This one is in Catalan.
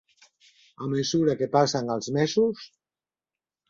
A mesura que passen els mesos